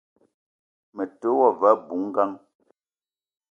Me te wa ve abui-ngang